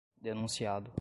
denunciado